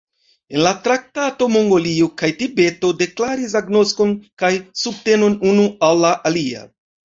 En la traktato Mongolio kaj Tibeto deklaris agnoskon kaj subtenon unu al la alia.